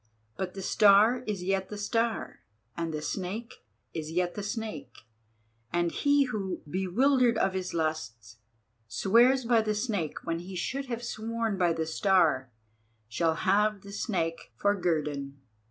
But the Star is yet the Star, and the Snake is yet the Snake, and he who, bewildered of his lusts, swears by the Snake when he should have sworn by the Star, shall have the Snake for guerdon."